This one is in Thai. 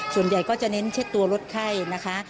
ส่วนใหญ่ก็จะเน้นเช็ดตัวลดไข้นะคะ